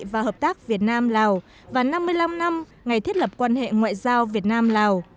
và hợp tác việt nam lào và năm mươi năm năm ngày thiết lập quan hệ ngoại giao việt nam lào